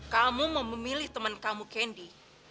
kamu mau memilih teman kamu candy